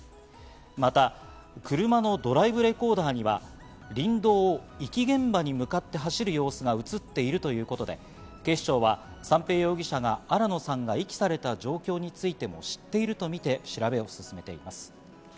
また、車のドライブレコーダーには林道を遺棄現場に向かって走る様子が映っているということで、警視庁は三瓶容疑者が新野さんが遺棄された状況についても知っているとみて調べを進めています。